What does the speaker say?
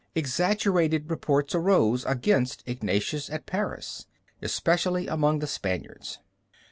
Exaggerated reports arose against Ignatius at Paris, especially among the Spaniards.